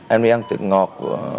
em bị ăn thịt ngọt